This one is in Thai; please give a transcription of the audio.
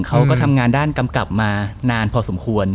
เขาก็ทำงานด้านกำกับมานานพอสมควร